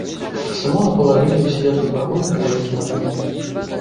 Сымона палажылі ў светлы пакой пры вялікім акне.